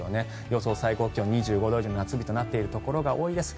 予想最高気温２５度以上の夏日となっているところが多いです。